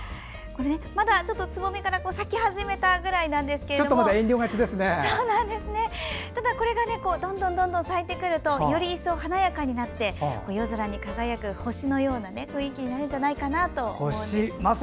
まだつぼみから咲き始めたぐらいですがこれが咲いてくるとより一層、華やかになって夜空に輝く星のような雰囲気になるんじゃないかと思います。